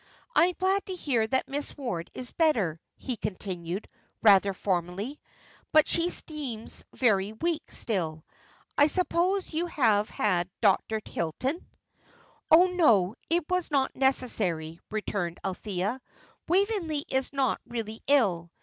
I am glad to hear that Miss Ward is better," he continued, rather formally; "but she seems very weak, still. I suppose you have had Dr. Hilton." "Oh, no, it was not necessary," returned Althea. "Waveney is not really ill.